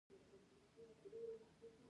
ایا زما ماشوم به ښه شي؟